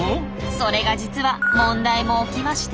それが実は問題も起きまして。